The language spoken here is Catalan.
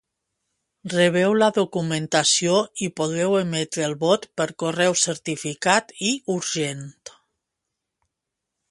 Rebreu la documentació i podreu emetre el vot per correu certificat i urgent.